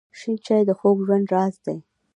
شین چای د خوږ ژوند راز دی.